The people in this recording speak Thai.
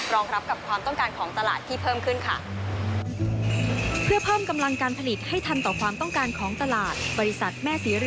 ร่วมถึงใช้ช่องทางออนไลน์ของธนาคาร